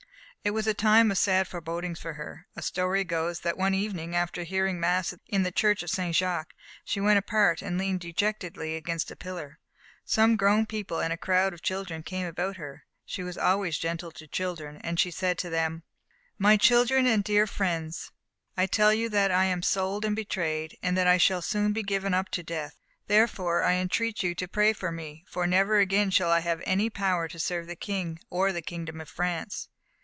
It was a time of sad forebodings for her. A story goes, that one morning, after hearing mass in the church of St. Jacques, she went apart and leaned dejectedly against a pillar. Some grown people and a crowd of children came about her she was always gentle to children and she said to them: "My children and dear friends, I tell you that I am sold and betrayed, and that I shall soon be given up to death. Therefore I entreat you to pray for me, for never again shall I have any power to serve the King or the Kingdom of France."